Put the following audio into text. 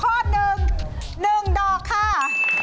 หนึ่งดอกค่ะ